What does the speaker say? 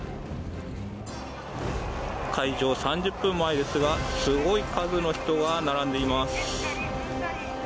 開場３０分前ですがすごい数の人が並んでいます。